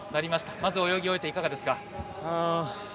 まず泳ぎ終えていかがですか。